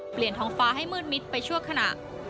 เปลี่ยนทองฟ้าให้มืดมิดไปชั่วขณะ